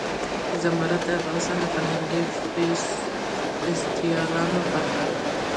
زمرد د افغانستان د فرهنګي فستیوالونو برخه ده.